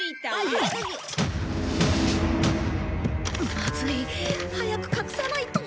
まずい早く隠さないと。